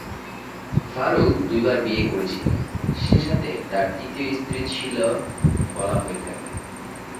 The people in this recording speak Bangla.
ফারুক দুইবার বিয়ে করেছিলেন, সেসাথে তার তৃতীয় স্ত্রী ছিল বলা হয়ে থাকে।